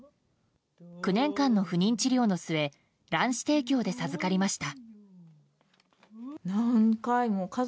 ９年間の不妊治療の末卵子提供で授かりました。